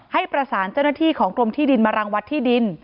ให้ประสานเจ้าหน้าที่ของกรมที่ดินมารังวัดที่ดิน